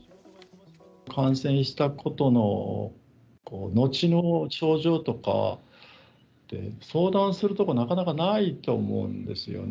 感染したことの後の症状とかで、相談するところ、なかなかないと思うんですよね。